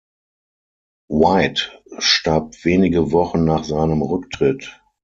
White starb wenige Wochen nach seinem Rücktritt.